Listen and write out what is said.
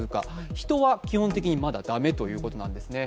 人は基本的にまだ駄目ということなんですね。